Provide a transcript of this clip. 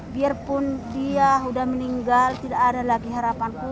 biarpun dia sudah meninggal tidak ada lagi harapanku